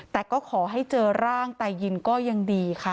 แต่ก็ขอให้เจอร่างตายินก็ยังดีค่ะ